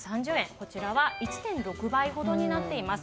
こちらは１．６倍ほどになっています。